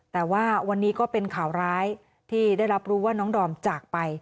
แต่ว่าวันนี้ก็เป็นข่าวร้ายที่ได้รับรู้ว่าน้องดอมจากไป